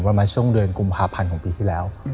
ประมาณช่วงเดือนกุมภาพันธ์ของปีที่แล้ว